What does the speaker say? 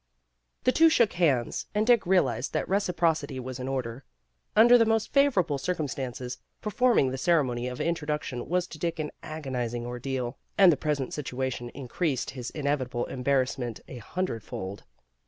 The two shook hands and Dick realized that reciprocity was in order. Under the most favorable circumstances, performing the cere mony of introduction was to Dick an agonizing ordeal, and the present situation increased his inevitable embarrassment a hundred fold.